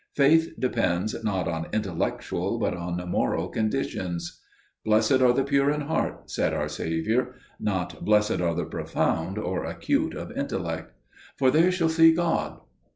Faith depends not on intellectual but on moral conditions. 'Blessed are the pure in heart,' said our Saviour, not 'Blessed are the profound or acute of intellect'––'for they shall see God.